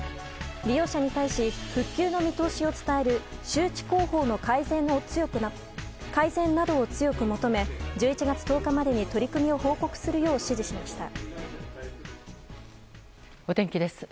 利用者に対し復旧の見通しを伝える周知広報の改善などを強く求め１１月１０日までに取り組みを報告するよう指示しました。